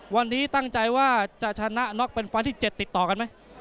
วันนี้ตั้งใจว่าจะชนะน็อกเป็นไฟล์ที่๗ติดต่อกันไหม